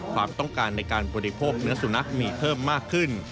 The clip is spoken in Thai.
ความต้องการในการบริโภคเนื้อสุนัขมีเพิ่มมากขึ้น